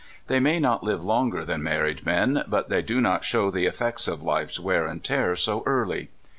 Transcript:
They may not live longer than mar ried men, but they do not show the effects of life's wear and tear so early.